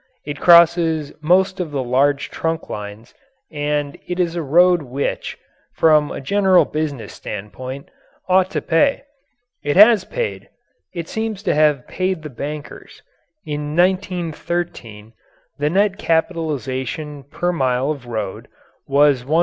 It crosses most of the large trunk lines and it is a road which, from a general business standpoint, ought to pay. It has paid. It seems to have paid the bankers. In 1913 the net capitalization per mile of road was $105,000.